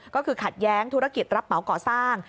ก็คือขัดแย้งธุรกิจรับเหมาก่อสร้าง